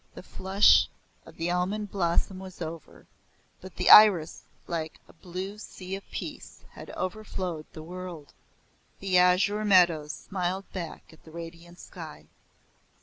The flush of the almond blossom was over, but the iris, like a blue sea of peace had overflowed the world the azure meadows smiled back at the radiant sky.